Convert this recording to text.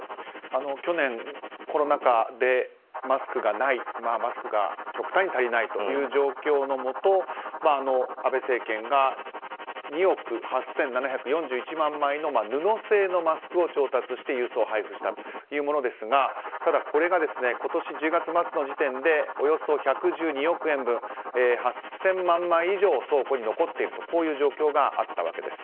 去年、コロナ禍でマスクがないマスクが極端に足りないという状況のもと安倍政権が２億８７４１万枚の布製のマスクを調達して郵送、配布したというものですがただ、これが今年１０月末の時点でおよそ１１２億円分８０００万枚以上倉庫に残っている状況があったわけです。